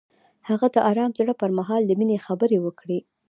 هغه د آرام زړه پر مهال د مینې خبرې وکړې.